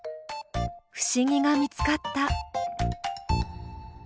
不思議が見つかった。